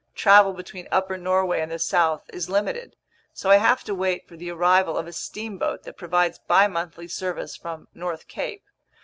Travel between upper Norway and the south is limited. So I have to wait for the arrival of a steamboat that provides bimonthly service from North Cape.